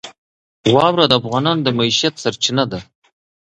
واوره د افغانانو د معیشت سرچینه ده.